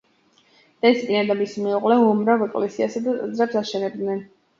დესპინა და მისი მეუღლე, უამრავ ეკლესიასა და ტაძრებს აშენებდნენ.